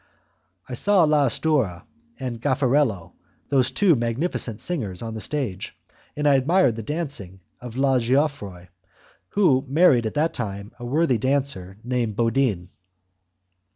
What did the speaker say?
I saw L'Astrua and Gafarello, those two magnificent singers on the stage, and I admired the dancing of La Geofroi, who married at that time a worthy dancer named Bodin.